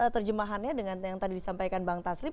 terjemahannya dengan yang tadi disampaikan bang taslim